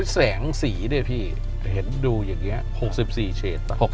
แสงสีเนี่ยพี่เห็นดูอย่างนี้๖๔เฉด